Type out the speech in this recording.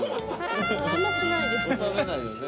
あんまりしないですね。